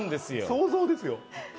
想像ですよ？